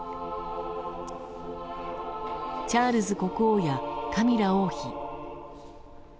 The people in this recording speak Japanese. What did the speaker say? チャールズ国王やカミラ王妃。